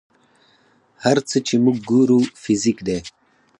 هر څه چې موږ ګورو فزیک دی.